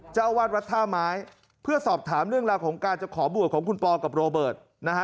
เจ้าอาวาสวัดท่าไม้เพื่อสอบถามเรื่องราวของการจะขอบวชของคุณปอกับโรเบิร์ตนะฮะ